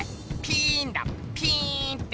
ピーンだピーンって。